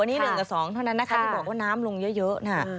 วันนี้๑กับ๒เท่านั้นนะคะที่บอกว่าน้ำลงเยอะนะ